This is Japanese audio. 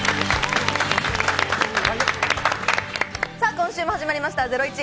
今週も始まりました『ゼロイチ』。